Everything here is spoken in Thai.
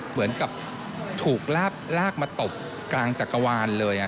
เหมือนกับถูกลากมาตบกลางจักรวาลเลย